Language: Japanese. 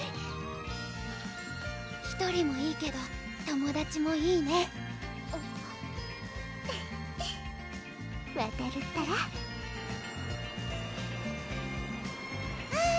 １人もいいけど友達もいいねふんワタルったらあぁ